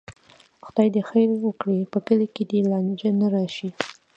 خدای دې خیر وکړي، په کلي کې دې لانجه نه راشي.